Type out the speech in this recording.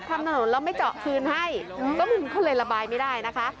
ทำถนนแล้วไม่เจาะคืนให้ก็มันก็เลยระบายไม่ได้นะคะ